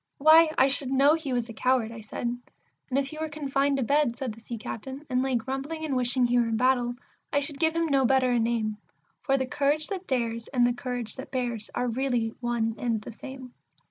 Why, I should know he was a coward," I said. "And if he were confined to bed," said the Sea captain, "and lay grumbling and wishing he were in battle, I should give him no better a name; For the courage that dares, and the courage that bears, are really one and the same."